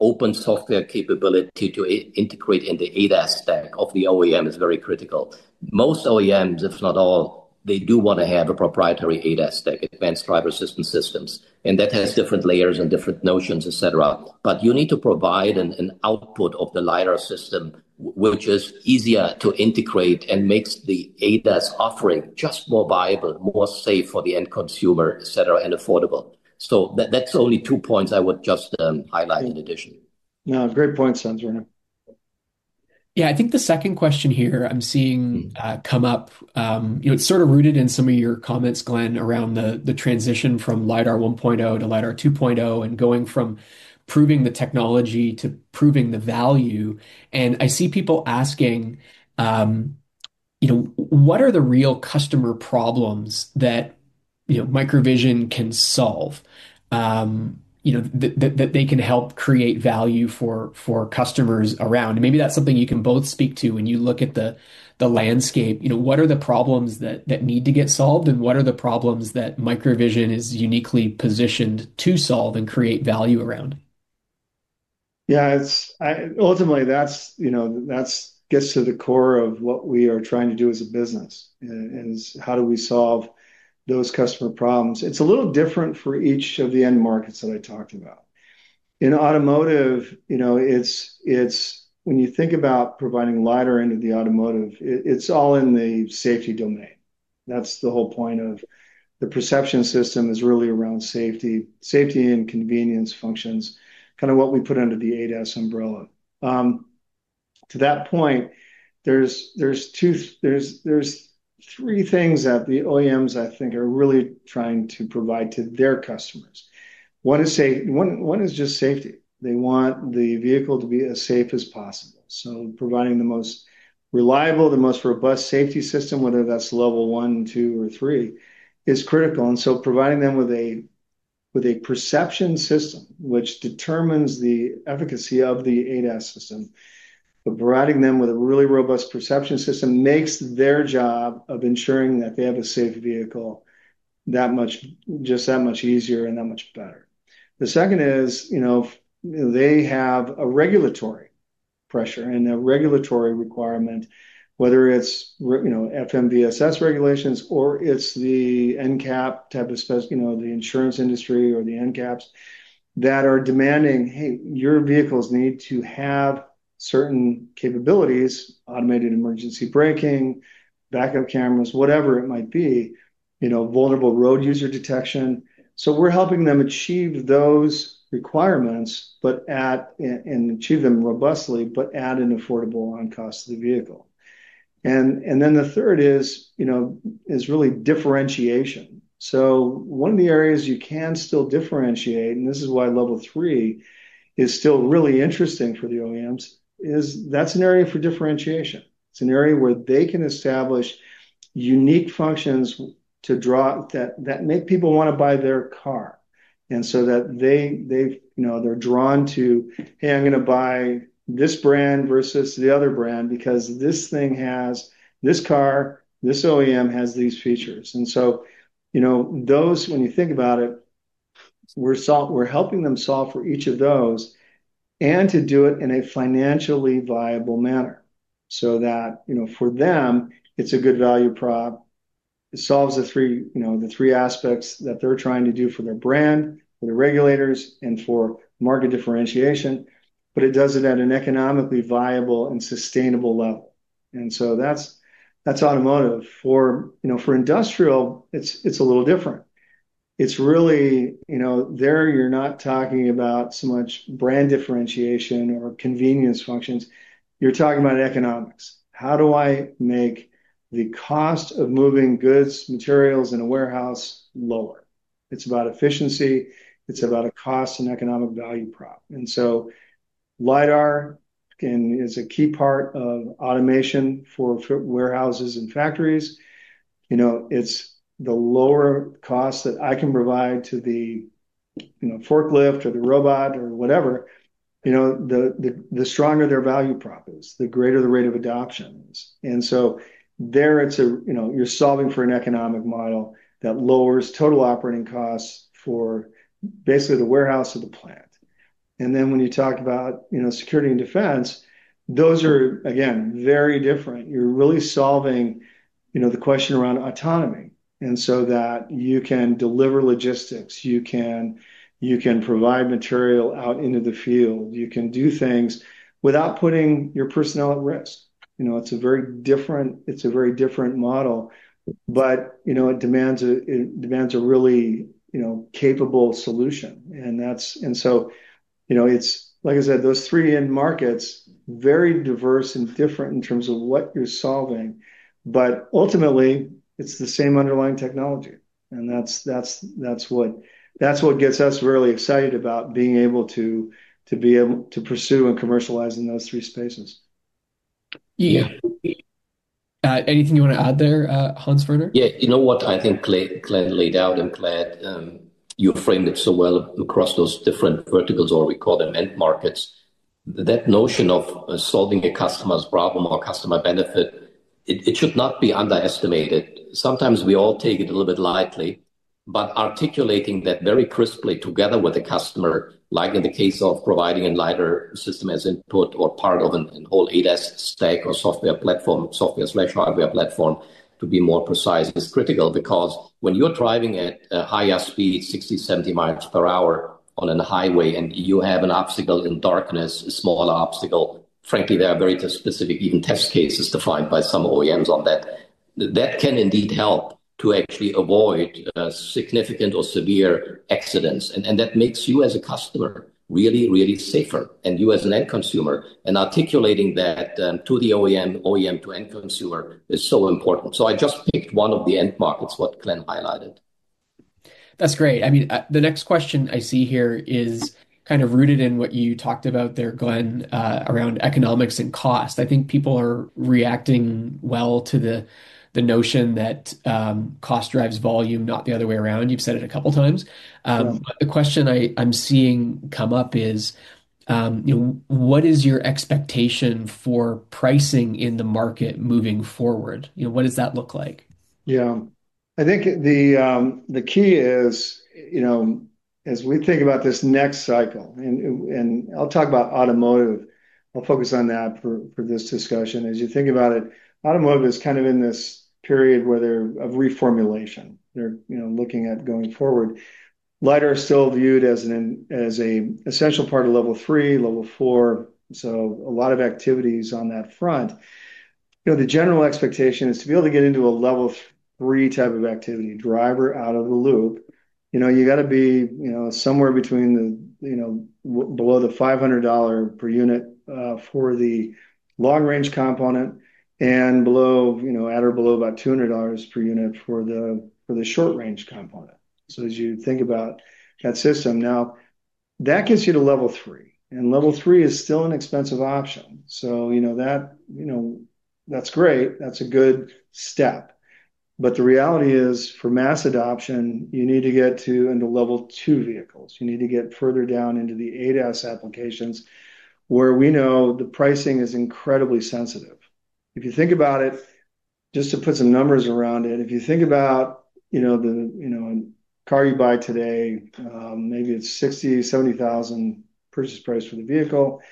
open software capability to integrate in the ADAS stack of the OEM is very critical. Most OEMs, if not all, they do wanna have a proprietary ADAS stack, advanced driver systems, and that has different layers and different notions, et cetera. You need to provide an output of the LiDAR system, which is easier to integrate and makes the ADAS offering just more viable, more safe for the end consumer, et cetera, and affordable. That's only two points I would just highlight in addition. Yeah, great point, Sandro. Yeah, I think the second question here I'm seeing come up, you know, it's sort of rooted in some of your comments, Glen De Vos, around the transition from Lidar 1.0 to Lidar 2.0, and going from proving the technology to proving the value. I see people asking, you know, what are the real customer problems that, you know, MicroVision can solve, that they can help create value for customers around? Maybe that's something you can both speak to when you look at the landscape. You know, what are the problems that need to get solved, and what are the problems that MicroVision is uniquely positioned to solve and create value around? Yeah, it's, Ultimately, that's, you know, that's gets to the core of what we are trying to do as a business, is how do we solve those customer problems? It's a little different for each of the end markets that I talked about. In automotive, you know, it's when you think about providing lidar into the automotive, it's all in the safety domain. That's the whole point of the perception system is really around safety and convenience functions, kind of what we put under the ADAS umbrella. To that point, there's three things that the OEMs, I think, are really trying to provide to their customers. One is one is just safety. They want the vehicle to be as safe as possible, so providing the most reliable, the most robust safety system, whether that's Level 1, 2, or 3, is critical. Providing them with a perception system, which determines the efficacy of the ADAS system, but providing them with a really robust perception system makes their job of ensuring that they have a safe vehicle that much, just that much easier and that much better. The second is, you know, they have a regulatory pressure and a regulatory requirement, whether it's, you know, FMVSS regulations, or it's the NCAP type of spec, you know, the insurance industry or the NCAPs, that are demanding, "Hey, your vehicles need to have certain capabilities, automated emergency braking, backup cameras," whatever it might be, you know, vulnerable road user detection. We're helping them achieve those requirements, but achieve them robustly, but at an affordable on cost of the vehicle. The third is, you know, is really differentiation. One of the areas you can still differentiate, and this is why Level 3 is still really interesting for the OEMs, is that's an area for differentiation. It's an area where they can establish unique functions to draw... that make people wanna buy their car, that they've, you know, they're drawn to, "Hey, I'm gonna buy this brand versus the other brand because this thing has, this car, this OEM has these features." You know, those, when you think about it, we're helping them solve for each of those, and to do it in a financially viable manner, so that, you know, for them, it's a good value prop. It solves the three, you know, the three aspects that they're trying to do for their brand, for the regulators, and for market differentiation, it does it at an economically viable and sustainable level. That's automotive. For, you know, for industrial, it's a little different. It's really, you know, there you're not talking about so much brand differentiation or convenience functions. You're talking about economics. How do I make the cost of moving goods, materials in a warehouse lower? It's about efficiency. It's about a cost and economic value prop. Lidar is a key part of automation for warehouses and factories. You know, it's the lower cost that I can provide to the, you know, forklift or the robot or whatever. You know, the stronger their value prop is, the greater the rate of adoption is. There it's a, you know, you're solving for an economic model that lowers total operating costs for basically the warehouse or the plant. When you talk about, you know, security and defense, those are, again, very different. You're really solving, you know, the question around autonomy, and so that you can deliver logistics, you can provide material out into the field. You can do things without putting your personnel at risk. You know, it's a very different model, but, you know, it demands a really, you know, capable solution. That's... So, you know, it's like I said, those three end markets, very diverse and different in terms of what you're solving, but ultimately, it's the same underlying technology, and that's what gets us really excited about being able to pursue and commercialize in those three spaces. Yeah. Anything you wanna add there, Hans-Werner? Yeah, you know what? I think Glenn laid out, and, Glenn, you framed it so well across those different verticals, or we call them end markets. That notion of solving a customer's problem or customer benefit, it should not be underestimated. Sometimes we all take it a little bit lightly, but articulating that very crisply together with the customer, like in the case of providing a Lidar system as input or part of an whole ADAS stack or software platform, software/hardware platform, to be more precise, is critical. When you're driving at a higher speed, 60, 70 miles per hour on a highway, and you have an obstacle in darkness, a small obstacle, frankly, there are very specific, even test cases defined by some OEMs on that. That can indeed help to actually avoid significant or severe accidents, and that makes you, as a customer, really, really safer, and you as an end consumer. Articulating that to the OEM to end consumer, is so important. I just picked one of the end markets, what Glen highlighted. That's great. I mean, the next question I see here is kind of rooted in what you talked about there, Glen, around economics and cost. I think people are reacting well to the notion that, cost drives volume, not the other way around. You've said it a couple times. Yeah. The question I'm seeing come up is, you know, what is your expectation for pricing in the market moving forward? You know, what does that look like? Yeah. I think the key is, you know, as we think about this next cycle, I'll talk about automotive. I'll focus on that for this discussion. As you think about it, automotive is kind of in this period where they're of reformulation. They're, you know, looking at going forward. Lidar is still viewed as an essential part of Level 3, Level 4, a lot of activities on that front. You know, the general expectation is to be able to get into a Level 3 type of activity, driver out of the loop, you know, you gotta be, you know, somewhere between the, you know, below the $500 per unit for the long range component below, you know, at or below about $200 per unit for the short range component. As you think about that system, now, that gets you to Level 3, and Level 3 is still an expensive option. You know that, you know, that's great. That's a good step. The reality is, for mass adoption, you need to get to into Level 2 vehicles. You need to get further down into the ADAS applications, where we know the pricing is incredibly sensitive. If you think about it, just to put some numbers around it, if you think about, you know, the, you know, a car you buy today, maybe it's $60,000-$70,000 purchase price for the vehicle.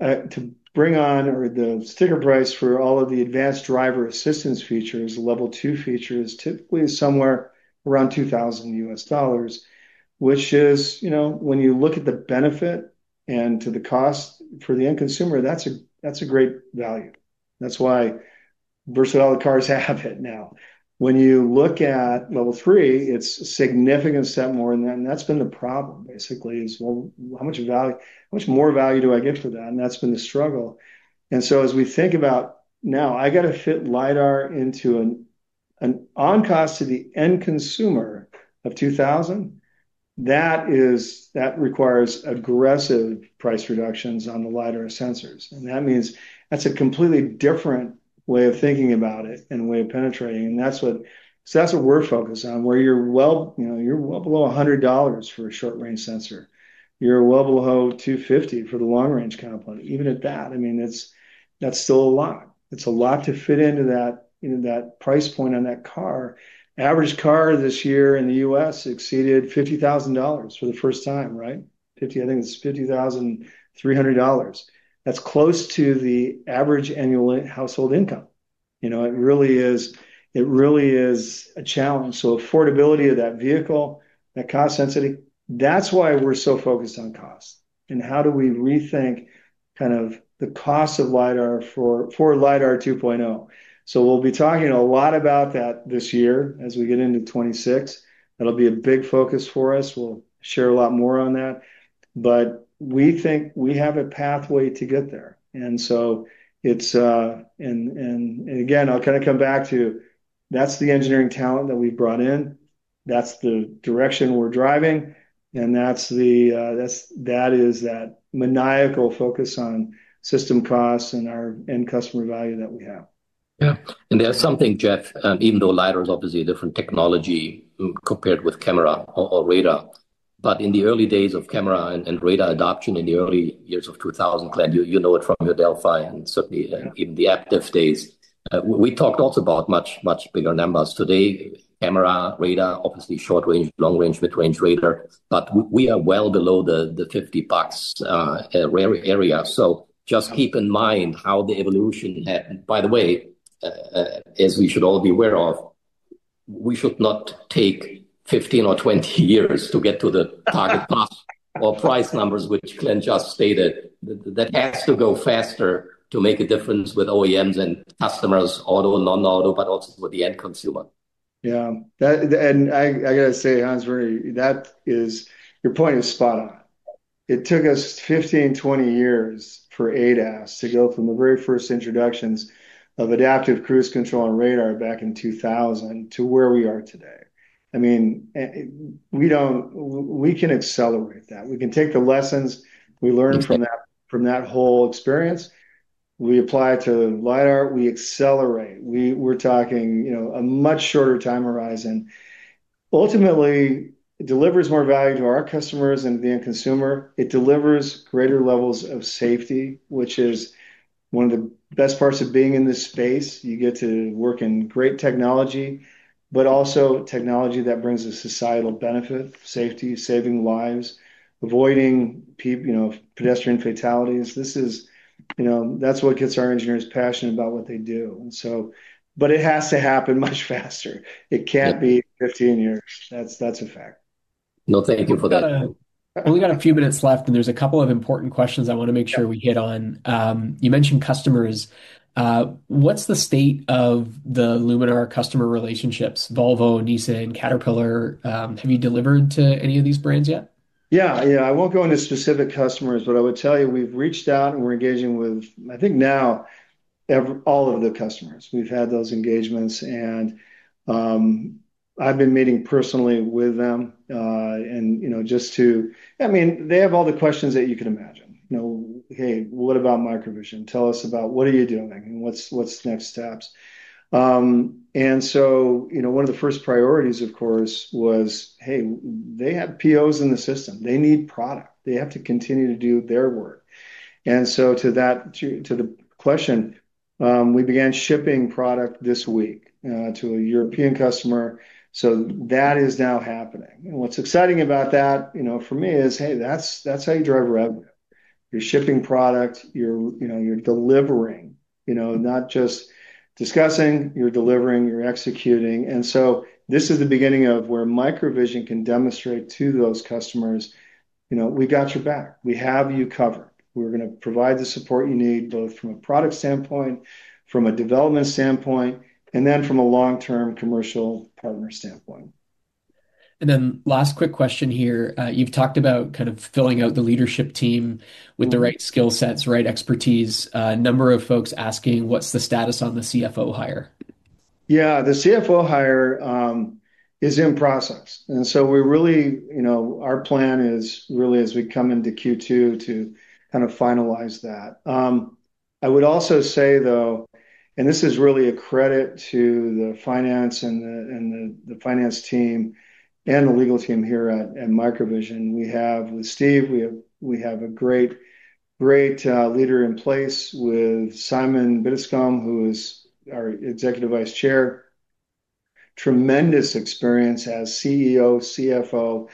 To bring on or the sticker price for all of the advanced driver assistance features, Level 2 features, typically is somewhere around $2,000, which is, you know, when you look at the benefit and to the cost for the end consumer, that's a great value. That's why virtually all the cars have it now. When you look at Level 3, it's a significant step more than that's been the problem, basically, is, well, how much more value do I get for that? That's been the struggle. As we think about, now, I gotta fit Lidar into an on-cost to the end consumer of $2,000, that requires aggressive price reductions on the Lidar sensors. That means that's a completely different way of thinking about it and way of penetrating, that's what we're focused on, where you're well, you know, you're well below $100 for a short-range sensor. You're well below $250 for the long-range component. Even at that, I mean, that's still a lot. It's a lot to fit into that price point on that car. Average car this year in the U.S. exceeded $50,000 for the first time, right? I think it's $50,300. That's close to the average annual in- household income. You know, it really is a challenge. Affordability of that vehicle, that cost sensitivity, that's why we're so focused on cost, and how do we rethink kind of the cost of Lidar for Lidar 2.0? We'll be talking a lot about that this year as we get into 2026. That'll be a big focus for us. We'll share a lot more on that, but we think we have a pathway to get there. It's... Again, I'll kind of come back to, that's the engineering talent that we brought in. That's the direction we're driving, and that's, that is that maniacal focus on system costs and our end customer value that we have. There's something, Jeff, even though Lidar is obviously a different technology compared with camera or radar, but in the early days of camera and radar adoption, in the early years of 2000, Glenn, you know it from your Delphi, and certainly in the Aptiv days, we talked also about much, much bigger numbers. Today, camera, radar, obviously short range, long range, mid-range radar, but we are well below the $50 area. Just keep in mind how the evolution happened. By the way, as we should all be aware of, we should not take 15 years or 20 years to get to the target cost or price numbers, which Glenn just stated. That has to go faster to make a difference with OEMs and customers, auto and non-auto, but also for the end consumer. Yeah. That, and I gotta say, Hans, that is, your point is spot on. It took us 15, 20 years for ADAS to go from the very first introductions of adaptive cruise control and radar back in 2000 to where we are today. I mean, we can accelerate that. We can take the lessons we learned from that, from that whole experience. We apply it to LiDAR, we accelerate. We're talking, you know, a much shorter time horizon. Ultimately, it delivers more value to our customers and the end consumer. It delivers greater levels of safety, which is one of the best parts of being in this space. You get to work in great technology, but also technology that brings a societal benefit, safety, saving lives, avoiding, you know, pedestrian fatalities. This is, you know, that's what gets our engineers passionate about what they do. It has to happen much faster. It can't be 15 years. That's a fact. Well, thank you for that. We've got a few minutes left. There's a couple of important questions I wanna make sure we hit on. You mentioned customers. What's the state of the Luminar customer relationships? Volvo, Nissan, Caterpillar, have you delivered to any of these brands yet? Yeah. I won't go into specific customers, but I would tell you, we've reached out, and we're engaging with, I think now, all of the customers. We've had those engagements, and I've been meeting personally with them, and, you know, just to. I mean, they have all the questions that you can imagine. You know, "Hey, what about MicroVision? Tell us about what are you doing, and what's next steps?" You know, one of the first priorities, of course, was, hey, they have POs in the system. They need product. They have to continue to do their work. To that, to the question, we began shipping product this week to a European customer, so that is now happening. What's exciting about that, you know, for me is, hey, that's how you drive revenue. You're shipping product, you're, you know, you're delivering, you know, not just discussing, you're delivering, you're executing. This is the beginning of where MicroVision can demonstrate to those customers, you know, we got your back. We have you covered. We're gonna provide the support you need, both from a product standpoint, from a development standpoint, from a long-term commercial partner standpoint. Last quick question here. You've talked about kind of filling out the leadership team... Mm-hmm. with the right skill sets, right expertise. A number of folks asking: What's the status on the CFO hire? Yeah, the CFO hire is in process. We're really, you know, our plan is really, as we come into Q2, to kind of finalize that. I would also say, though, and this is really a credit to the finance and the finance team and the legal team here at MicroVision. We have with Steve, we have a great leader in place with Simon Biddiscombe, who is our executive vice chair. Tremendous experience as CEO, CFO.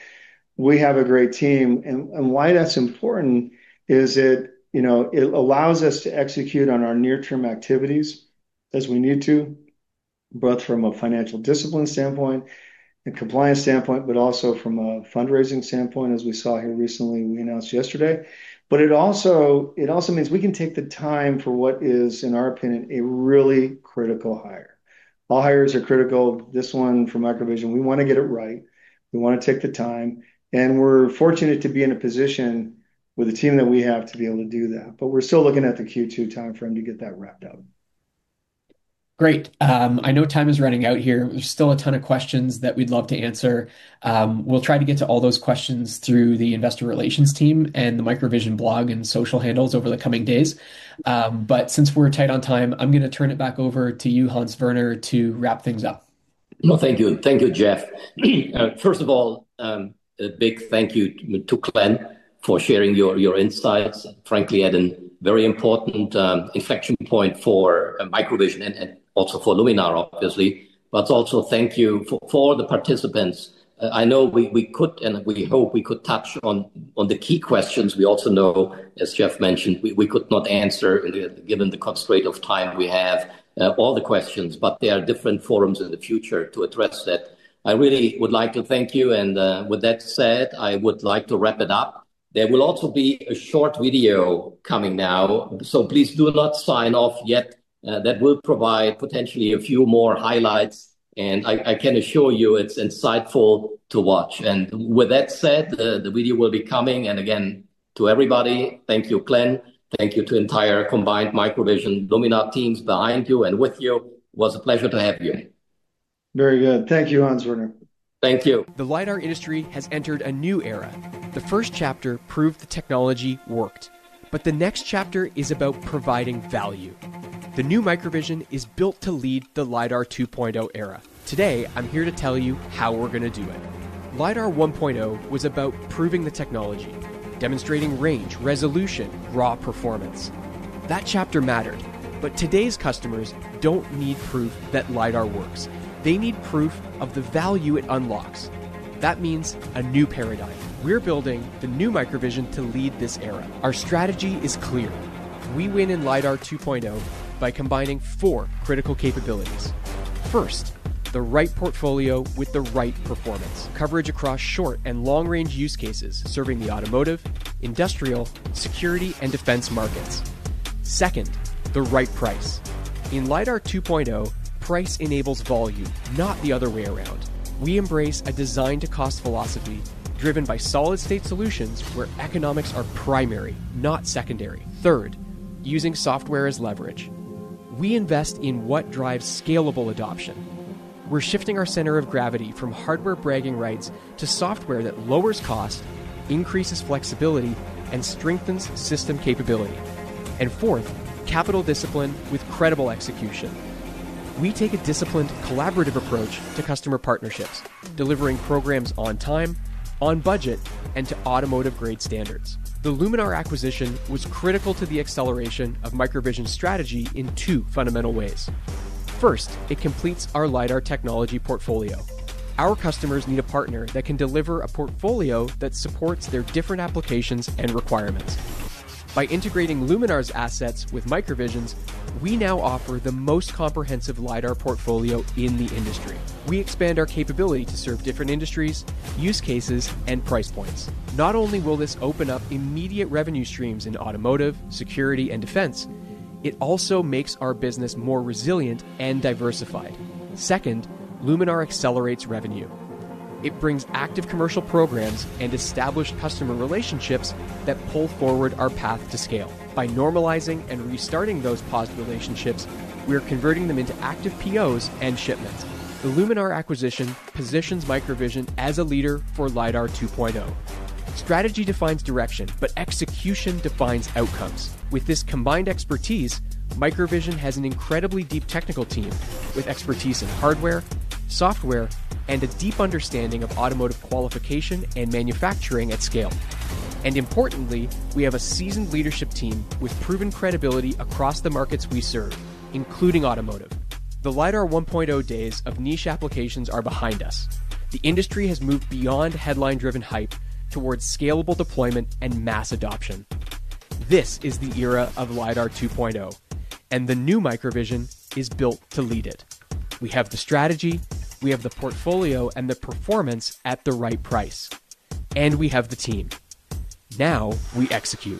We have a great team. Why that's important is it, you know, it allows us to execute on our near-term activities as we need to, both from a financial discipline standpoint and compliance standpoint, but also from a fundraising standpoint, as we saw here recently, we announced yesterday. It also means we can take the time for what is, in our opinion, a really critical hire. All hires are critical. This one for MicroVision, we wanna get it right. We wanna take the time, and we're fortunate to be in a position with the team that we have to be able to do that, but we're still looking at the Q2 timeframe to get that wrapped up. Great. I know time is running out here. There's still a ton of questions that we'd love to answer. We'll try to get to all those questions through the investor relations team and the MicroVision blog and social handles over the coming days. Since we're tight on time, I'm gonna turn it back over to you, Hans-Werner, to wrap things up. Well, thank you. Thank you, Jeff. First of all, a big thank you to Glen for sharing your insights, frankly, at a very important inflection point for MicroVision and also for Luminar, obviously. Also thank you for the participants. I know we could, and we hope we could touch on the key questions. We also know, as Jeff mentioned, we could not answer, given the constraint of time we have, all the questions. There are different forums in the future to address that. I really would like to thank you, and, with that said, I would like to wrap it up. There will also be a short video coming now, so please do not sign off yet. That will provide potentially a few more highlights, and I can assure you it's insightful to watch. With that said, the video will be coming, and again, to everybody, thank you, Glenn. Thank you to entire combined MicroVision, Luminar teams behind you and with you. It was a pleasure to have you. Very good. Thank you, Hans-Werner. Thank you. The lidar industry has entered a new era. The first chapter proved the technology worked. The next chapter is about providing value. The new MicroVision is built to lead the Lidar 2.0 era. Today, I'm here to tell you how we're gonna do it. Lidar 1.0 was about proving the technology, demonstrating range, resolution, raw performance. That chapter mattered. Today's customers don't need proof that lidar works. They need proof of the value it unlocks. That means a new paradigm. We're building the new MicroVision to lead this era. Our strategy is clear: We win in Lidar 2.0 by combining four critical capabilities. First, the right portfolio with the right performance. Coverage across short and long-range use cases, serving the automotive, industrial, security, and defense markets. Second, the right price. In Lidar 2.0, price enables volume, not the other way around. We embrace a design-to-cost philosophy driven by solid-state solutions where economics are primary, not secondary. Third, using software as leverage. We invest in what drives scalable adoption. We're shifting our center of gravity from hardware bragging rights to software that lowers cost, increases flexibility, and strengthens system capability. Fourth, capital discipline with credible execution. We take a disciplined, collaborative approach to customer partnerships, delivering programs on time, on budget, and to automotive grade standards. The Luminar acquisition was critical to the acceleration of MicroVision's strategy in two fundamental ways. First, it completes our Lidar technology portfolio. Our customers need a partner that can deliver a portfolio that supports their different applications and requirements. By integrating Luminar's assets with MicroVision's, we now offer the most comprehensive Lidar portfolio in the industry. We expand our capability to serve different industries, use cases, and price points. Not only will this open up immediate revenue streams in automotive, security, and defense, it also makes our business more resilient and diversified. Second, Luminar accelerates revenue. It brings active commercial programs and established customer relationships that pull forward our path to scale. By normalizing and restarting those paused relationships, we are converting them into active POs and shipments. The Luminar acquisition positions MicroVision as a leader for Lidar 2.0. Strategy defines direction, execution defines outcomes. With this combined expertise, MicroVision has an incredibly deep technical team with expertise in hardware, software, and a deep understanding of automotive qualification and manufacturing at scale. Importantly, we have a seasoned leadership team with proven credibility across the markets we serve, including automotive. The Lidar 1.0 days of niche applications are behind us. The industry has moved beyond headline-driven hyp e towards scalable deployment and mass adoption. This is the era of Lidar 2.0, and the new MicroVision is built to lead it. We have the strategy, we have the portfolio, and the performance at the right price, and we have the team. Now, we execute.